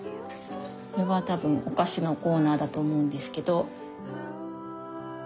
これは多分お菓子のコーナーだと思うんですけど。